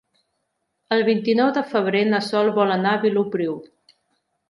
El vint-i-nou de febrer na Sol vol anar a Vilopriu.